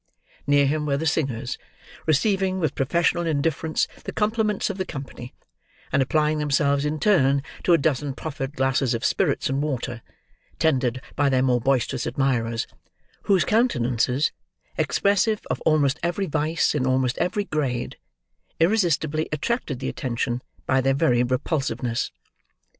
Near him were the singers: receiving, with professional indifference, the compliments of the company, and applying themselves, in turn, to a dozen proffered glasses of spirits and water, tendered by their more boisterous admirers; whose countenances, expressive of almost every vice in almost every grade, irresistibly attracted the attention, by their very repulsiveness.